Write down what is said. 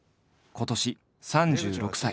今年３６歳。